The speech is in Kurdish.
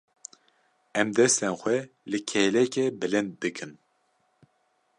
Em destên xwe li kêlekê bilind bikin.